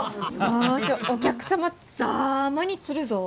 よしお客様ざぁまに釣るぞぉ！